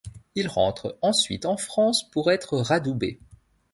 Il rentre ensuite en France pour être radoubé.